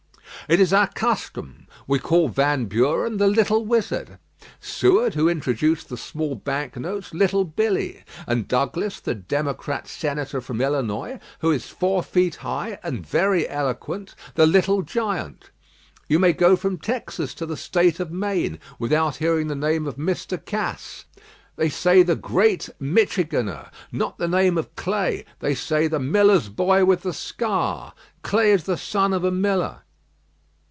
"It is our custom. We call Van Buren 'The Little Wizard;' Seward, who introduced the small bank notes, 'Little Billy;' and Douglas, the democrat senator from Illinois, who is four feet high and very eloquent, 'The Little Giant.' You may go from Texas to the State of Maine without hearing the name of Mr. Cass. They say the 'Great Michiganer.' Nor the name of Clay; they say 'The miller's boy with the scar.' Clay is the son of a miller."